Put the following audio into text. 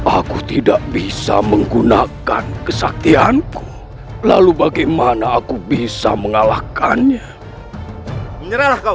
aku tidak bisa menggunakan kesaktian ku lalu bagaimana aku bisa mengalahkannya menyerah kau